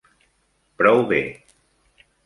Prou bé.